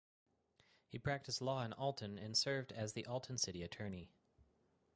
He practiced law in Alton and served as the Alton city attorney.